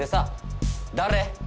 誰？